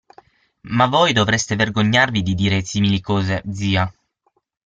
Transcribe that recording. Ma voi dovreste vergognarvi di dire simili cose, zia.